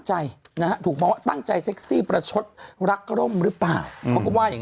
ใจนะฮะถูกมองว่าตั้งใจเซ็กซี่ประชดรักร่มหรือเปล่าเขาก็ว่าอย่าง